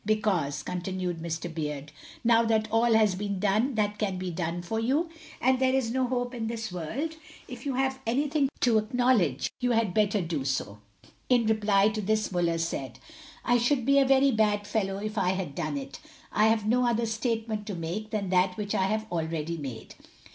"Because," continued Mr. Beard, "now that all has been done that can be done for you, and there is no hope in this world, if you have anything to acknowledge, you had better do so." In reply to this Muller said, "I should be a very bad fellow if I had done it. I have no other statement to make than that which I have already made."